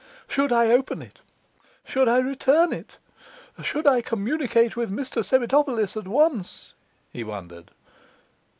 'Should I open it? Should I return it? Should I communicate with Mr Sernitopolis at once?' he wondered.